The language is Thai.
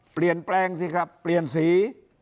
เปลี่ยนแปลงสิครับเปลี่ยนสี